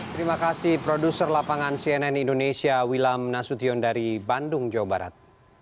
terima kasih produser lapangan cnn indonesia wilam nasution dari bandung jawa barat